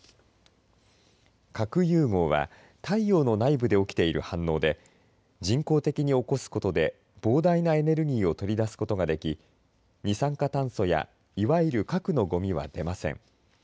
核融合は太陽の内部で起きている反応で人工的に起こすことで膨大なエネルギーを取り出すことができ二酸化炭素やいわゆる核のごみは出ません。